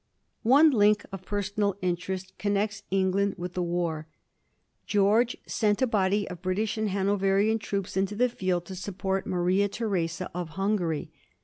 One link of personal interest connects England with the war. George sent a body of British and Hanoverian troops into the field to support Maria Theresa of Hungaiy.